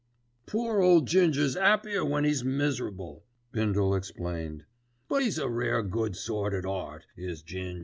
"Poor ole Ginger's 'appier when 'e's miserable," Bindle explained; "but 'e's a rare good sort at 'eart is Ging.